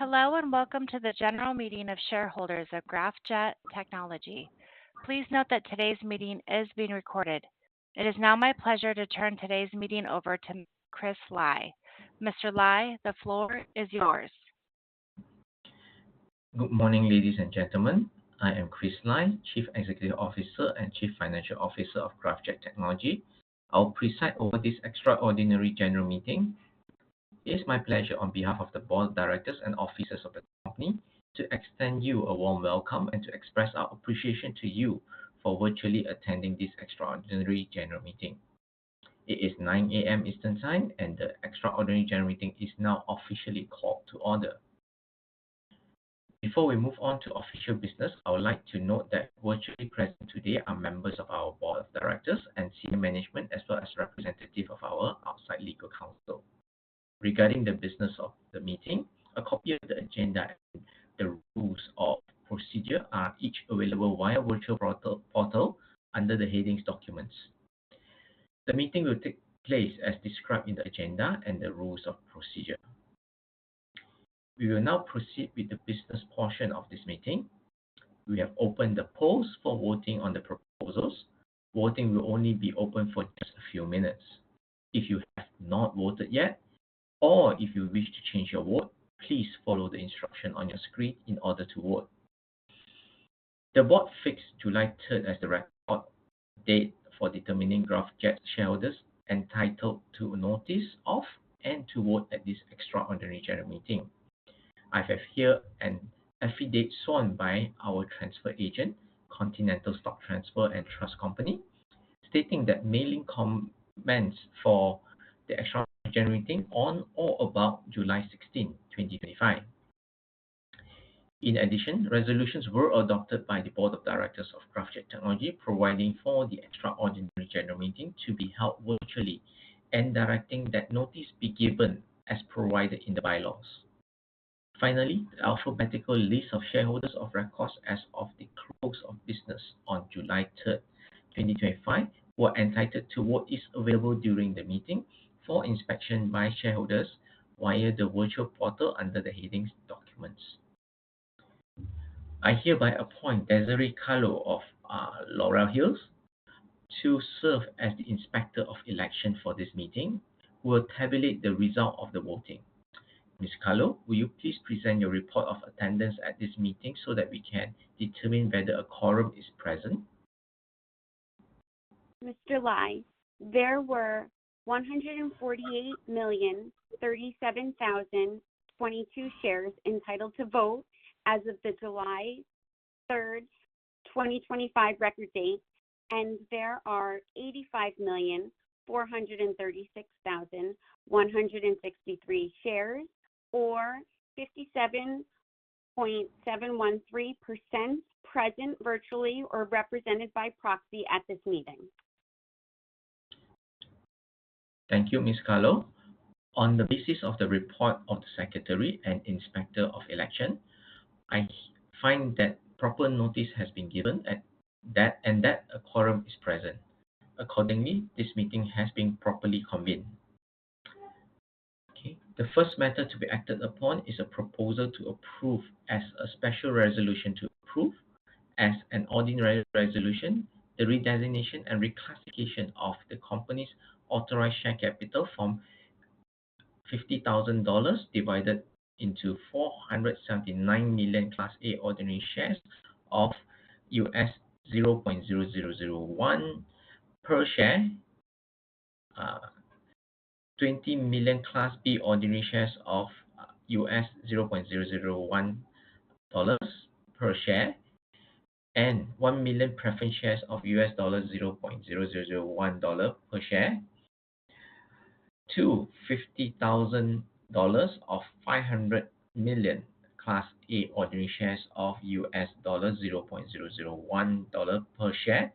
Hello and welcome to the general meeting of shareholders of Graphjet Technology. Please note that today's meeting is being recorded. It is now my pleasure to turn today's meeting over to Chris Lai. Mr. Lai, the floor is yours. Good morning ladies and gentlemen. I am Chris Lai, Chief Executive Officer and Chief Financial Officer of Graphjet Technology. I will preside over this extraordinary general meeting. It's my pleasure on behalf of the Board of Directors and Officers of the "Company", to extend you a warm welcome and to express our appreciation to you for virtually attending this extraordinary general meeting. It is 9:00 A.M. Eastern Time, and the extraordinary general meeting is now officially called to order. Before we move on to official business, I would like to note that virtually present today are members of our Board of Directors and senior management, as well as representatives of our outside legal counsel. Regarding the business of the meeting, a copy of the agenda and the rules of procedure are each available via the virtual portal under the heading "Documents." The meeting will take place as described in the agenda and the rules of procedure. We will now proceed with the business portion of this meeting. We have opened the polls for voting on the proposals. Voting will only be open for just a few minutes. If you have not voted yet, or if you wish to change your vote, please follow the instructions on your screen in order to vote. The Board fixed July 3 as the record date for determining Graphjet shareholders entitled to a notice of and to vote at this extraordinary general meeting. I have here an affidavit signed by our transfer agent, Continental Stock Transfer and Trust Company, stating that mailing commands for the extraordinary general meeting are on or about July 16, 2025. In addition, resolutions were adopted by the Board of Directors of Graphjet Technology providing for the extraordinary general meeting to be held virtually and directing that notice be given as provided in the bylaws. Finally, the alphabetical list of shareholders of record as of the close of business on July 3, 2025, who were entitled to vote is available during the meeting for inspection by shareholders via the virtual portal under the heading "Documents." I hereby appoint Desiree Carlo of Laurel Hill to serve as the Inspector of Election for this meeting. We will tabulate the result of the voting. Ms.Carlo, will you please present your report of attendance at this meeting so that we can determine whether a quorum is present? Mr. Lai, there were 148,037,022 shares entitled to vote as of the July 3, 2025 record date, and there are 85,436,163 shares or 57.713% present virtually or represented by proxy at this meeting. Thank you, Ms. Carlo. On the basis of the report of the Secretary and Inspector of Election, I find that proper notice has been given and that a quorum is present. Accordingly, this meeting has been properly convened. The first matter to be acted upon is a proposal to approve as a special resolution to approve as an ordinary resolution the redesignation and reclassification of the company's authorized share capital from $50,000 divided into 479 million Class A ordinary shares of $0.0001 per share, 20 million Class B ordinary shares of $0.001 per share, and 1 million preference shares of $0.0001 per share to $50,000 of 500 million Class A ordinary shares of $0.001 per share,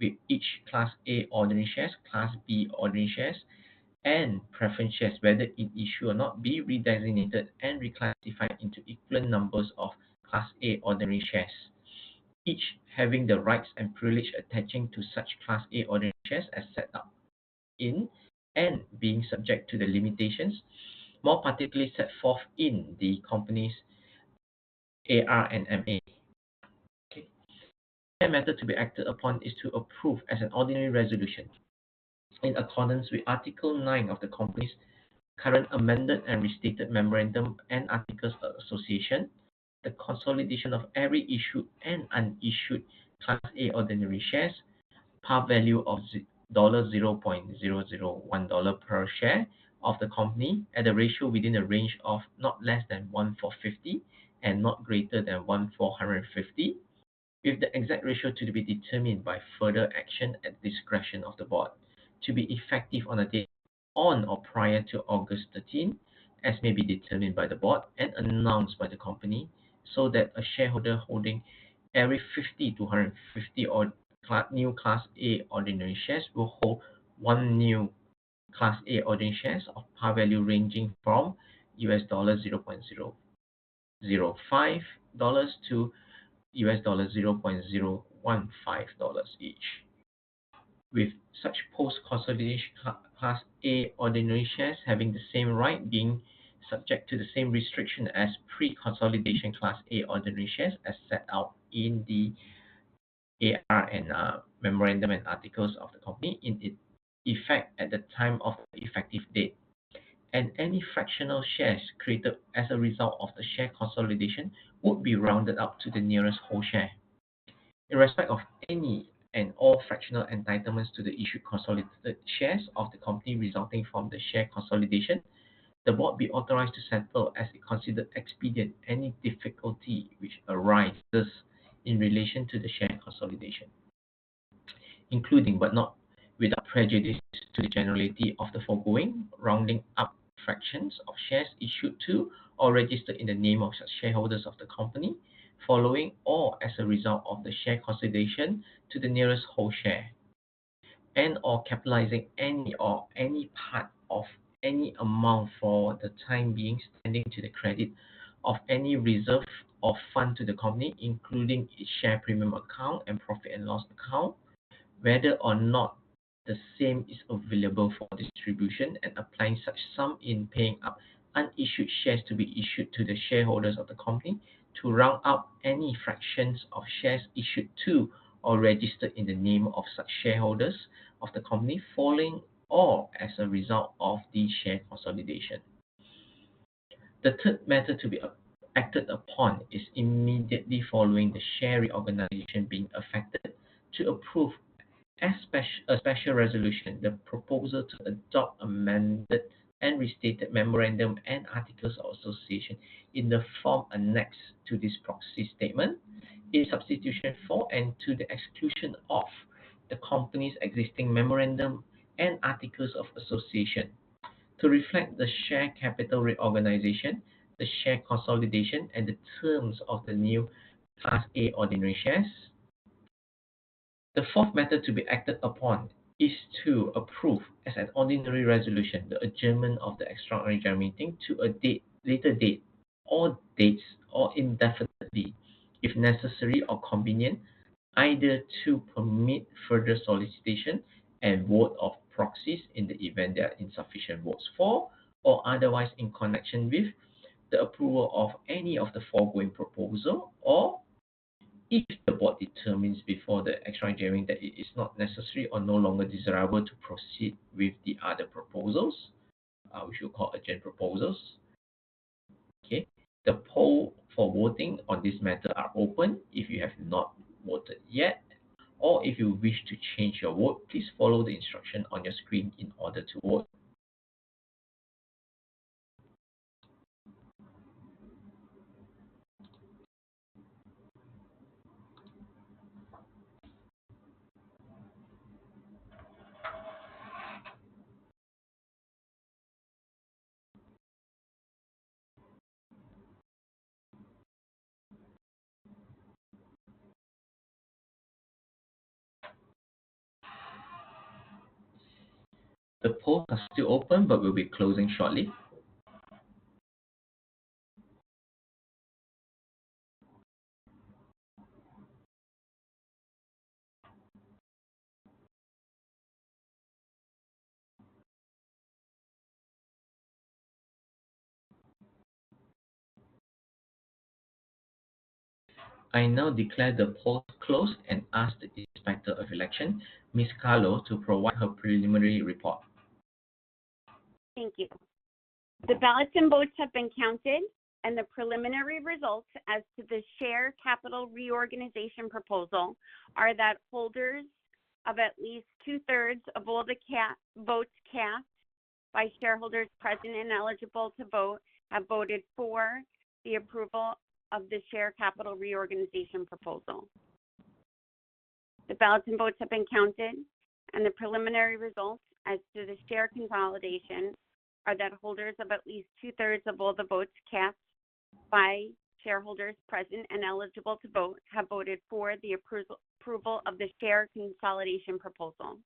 with each Class A ordinary share, Class B ordinary share, and preference share, whether in issue or not, being redesignated and reclassified into equal numbers of Class A ordinary shares, each having the rights and privileges attaching to such Class A ordinary shares as set out in and being subject to the limitations more particularly set forth in the company's AR and MA. The matter to be acted upon is to approve as an ordinary resolution in accordance with Article 9 of the company's current amended and restated Memorandum and Articles of Association, the consolidation of every issued and unissued Class A ordinary share, par value of $0.001 per share of the company at a ratio within the range of not less than one for 50 and not greater than one for 150, with the exact ratio to be determined by further action at the discretion of the Board. To be effective on the day on or prior to August 13, as may be determined by the Board and announced by the company, so that a shareholder holding every 50 to 150 new Class A ordinary shares will hold one new Class A ordinary share of par value ranging from $0.005 to $0.015 each, with such post-consolidation Class A ordinary shares having the same right being subject to the same restriction as pre-consolidation Class A ordinary shares as set out in the AR and Memorandum and Articles of the company in effect at the time of the effective date. Any fractional shares created as a result of the share consolidation would be rounded up to the nearest whole share. In respect of any and all fractional entitlements to the issued consolidated shares of the company resulting from the share consolidation, the Board be authorized to settle as it considers expedient any difficulty which arises in relation to the share consolidation, including but not without prejudice to the generality of the foregoing rounding up fractions of shares issued to or registered in the name of such shareholders of the company following or as a result of the share consolidation to the nearest whole share, and/or capitalizing any or any part of any amount for the time being standing to the credit of any reserve or fund to the company, including its share premium account and profit and loss account, whether or not the same is available for distribution and applying such sum in paying up unissued shares to be issued to the shareholders of the company to round out any fractions of shares issued to or registered in the name of such shareholders of the company following or as a result of the share consolidation. The 3rd matter to be acted upon is immediately following the share reorganization being effected to approve a special resolution, the proposal to adopt amended and restated Memorandum and Articles of Association in the form annexed to this proxy statement in substitution for and to the execution of the company's existing Memorandum and Articles of Association, to reflect the share capital reorganization, the share consolidation, and the terms of the new Class A ordinary shares. The 4th to be acted upon is to approve as an ordinary resolution the adjournment of the extraordinary general meeting to a later date or dates or indefinitely, if necessary or convenient, either to permit further solicitation and vote of proxies in the event there are insufficient votes for or otherwise in connection with the approval of any of the foregoing proposal or if the Board determines before the extraordinary general meeting that it is not necessary or no longer desirable to proceed with the other proposals, which we call adjourned proposals. Okay, the polls for voting on this matter are open. If you have not voted yet or if you wish to change your vote, please follow the instruction on your screen in order to vote. The polls are still open but will be closing shortly. I now declare the polls closed and ask the Inspector of Election, Ms. Carlo, to provide her preliminary report. Thank you. The balloting votes have been counted, and the preliminary results as to the share capital reorganization proposal are that holders of at least two-thirds of all the votes cast by shareholders present and eligible to vote have voted for the approval of the share capital reorganization proposal. The balloting votes have been counted, and the preliminary results as to the share consolidation are that holders of at least two-thirds of all the votes cast by shareholders present and eligible to vote have voted for the approval of the share consolidation proposal.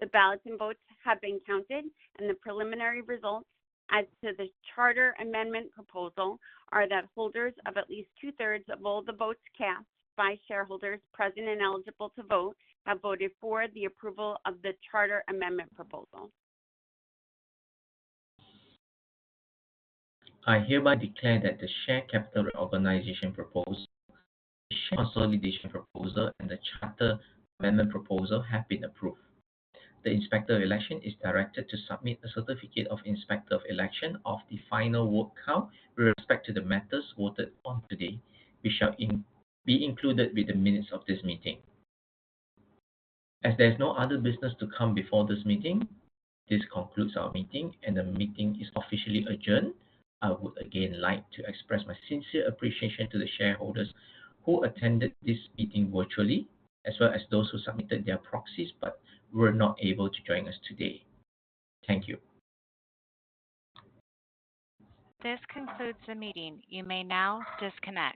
The balloting votes have been counted, and the preliminary results as to the charter amendment proposal are that holders of at least two-thirds of all the votes cast by shareholders present and eligible to vote have voted for the approval of the charter amendment proposal. I hereby declare that the share capital reorganization proposal, the share consolidation proposal, and the charter amendment proposal have been approved. The Inspector of Election is directed to submit a certificate of Inspector of Election of the final vote count with respect to the matters voted on today, which shall be included with the minutes of this meeting. As there is no other business to come before this meeting, this concludes our meeting and the meeting is officially adjourned. I would again like to express my sincere appreciation to the shareholders who attended this meeting virtually, as well as those who submitted their proxies but were not able to join us today. Thank you. This concludes the meeting. You may now disconnect.